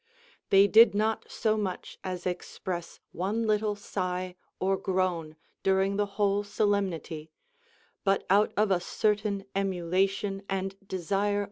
They did not so much as express one little sigh or groan during the whole solemnity, but out of a certain emulation and desire CUSTOMS OF THE LACEDAEMONIANS.